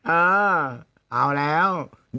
เออเอาแล้ว